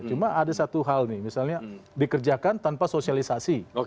cuma ada satu hal nih misalnya dikerjakan tanpa sosialisasi